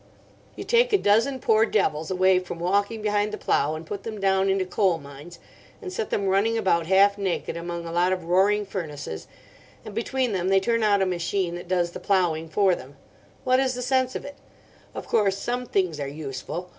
You take a dozen poor devils away from walking behind the plough and put them down into coal mines, and set them running about half naked among a lot of roaring furnaces, and between them they turn out a machine that does the ploughing for them. What is the sense of it? Of course some things are useful.